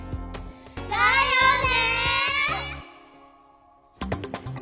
だよね。